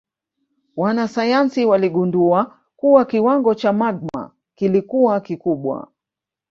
Wanasayansi waligundua kuwa kiwango cha magma kilikuwa kikubwa